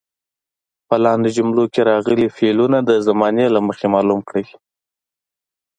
په لاندې جملو کې راغلي فعلونه د زمانې له مخې معلوم کړئ.